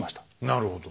なるほど。